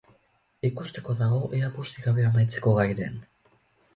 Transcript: Ikusteko dago ea busti gabe amaitzeko gai den!